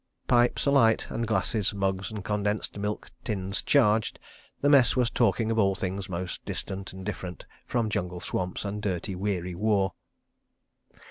Pipes alight, and glasses, mugs and condensed milk tins charged, the Mess was talking of all things most distant and different from jungle swamps and dirty, weary war.